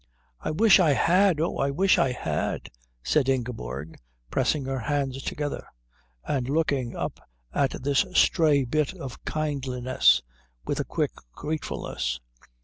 "I wish I had oh, I wish I had," said Ingeborg, pressing her hands together and looking up at this stray bit of kindliness with a quick gratefulness.